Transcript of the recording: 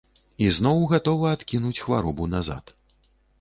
Ізноў гатова адкінуць хваробу назад.